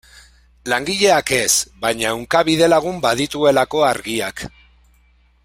Langileak ez, baina ehunka bidelagun badituelako Argiak.